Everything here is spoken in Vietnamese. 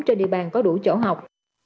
trên địa bàn có đủ chỗ học